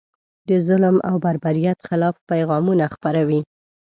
د ظلم او بربریت خلاف پیغامونه خپروي.